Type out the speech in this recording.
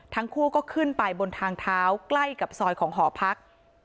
ทั้งคู่ก็ขึ้นไปบนทางเท้าใกล้กับซอยของหอพัก